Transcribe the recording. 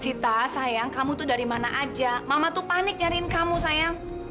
cita sayang kamu tuh dari mana aja mama tuh panik nyariin kamu sayang